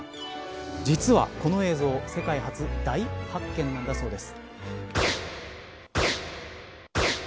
実はこの映像世界初、大発見なんだそうです。